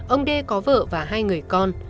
ông d có vợ và hai người con